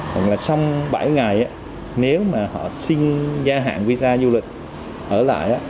hoặc là xong bảy ngày nếu mà họ xin gia hạn visa du lịch ở lại